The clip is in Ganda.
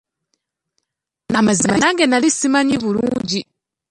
Amazima nange nali simanyi bulungi.